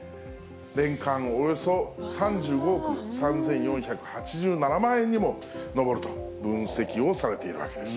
年間およそ３５億３４８７万円にも上ると分析をされているわけです。